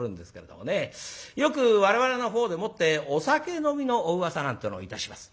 よく我々のほうでもってお酒飲みのお噂なんてのをいたします。